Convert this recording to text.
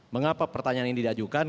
mengapa pertanyaan ini diajukan